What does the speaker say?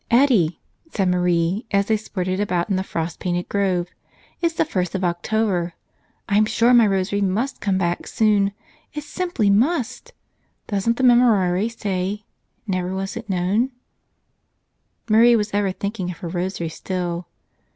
"Eddie," said Marie, as they sported about in the frost painted grove, "it's the first of October. I'm sure my rosary must come back soon. It simply must! Doesn't the Memorare say: 'never was it known'?" Marie was ever thinking of her rosary still.